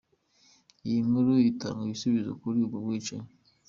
Iyi nkuru iratanga igisubizo kuri ubwo bwicanyi.